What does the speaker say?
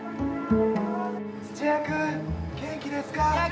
土谷君元気ですか！